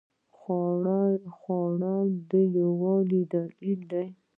خوړل د یووالي دلیل دی